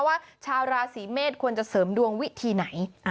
ว่าชาวราศีเมษควรจะเสริมดวงวิธีไหน